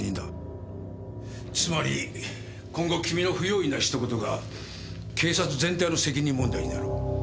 つまり今後君の不用意なひと言が警察全体の責任問題になる。